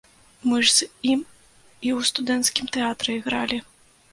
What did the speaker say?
Мы ж з ім і ў студэнцкім тэатры ігралі.